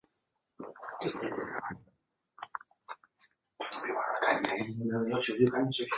雷兽是奇蹄目下一科已灭绝的哺乳动物。